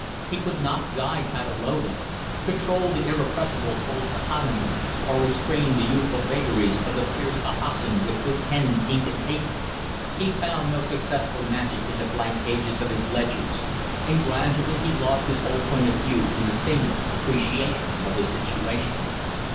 He could not guide Patalolo, control the irrepressible old Sahamin, or restrain the youthful vagaries of the fierce Bahassoen with pen, ink, and paper. He found no successful magic in the blank pages of his ledgers; and gradually he lost his old point of view in the saner appreciation of his situation.